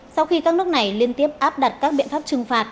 sau khi các nước này liên tiếp áp đặt các biện pháp trừng phạt